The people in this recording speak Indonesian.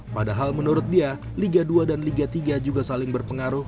padahal menurut dia liga dua dan liga tiga juga saling berpengaruh